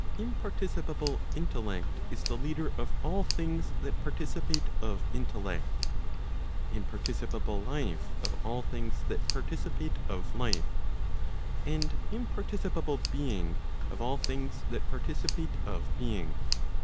Imparticipable intellect is the leader of all things that participate of intellect, imparticipable life of all things that participate of life, and Digitized by t^OOQLe 3g 8 ELEMENTS PROP. C1I. imparticipable being of all things that participate of being.